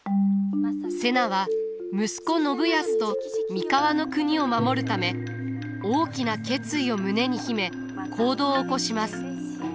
瀬名は息子信康と三河国を守るため大きな決意を胸に秘め行動を起こします。